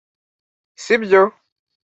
si byo